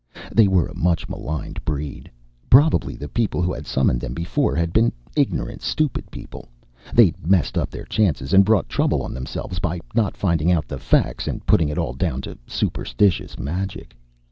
They were a much maligned breed. Probably the people who had summoned them before had been ignorant, stupid people; they'd messed up their chances and brought trouble on themselves by not finding out the facts and putting it all down to superstitious magic.